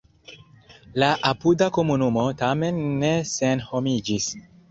La apuda komunumo tamen ne senhomiĝis.